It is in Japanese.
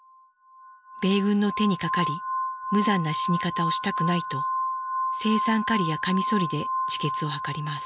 米軍の手にかかり無残な死に方をしたくないと青酸カリやカミソリで自決を図ります。